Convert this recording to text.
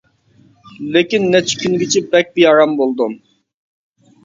لېكىن نەچچە كۈنگىچە بەك بىئارام بولدۇم.